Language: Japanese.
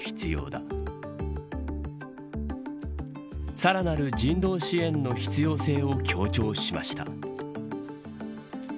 さらなる人道支援の必要性を強調しました。